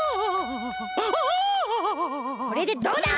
これでどうだ！？